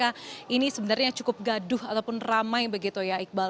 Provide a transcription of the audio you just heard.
karena ini sebenarnya cukup gaduh ataupun ramai begitu ya iqbal